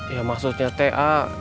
ya maksudnya teh ah